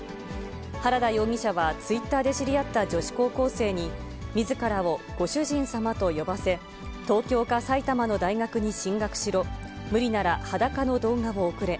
原田容疑者は、ツイッターで知り合った女子高校生に、みずからをご主人様と呼ばせ、東京か埼玉の大学に進学しろ、無理なら裸の動画を送れ。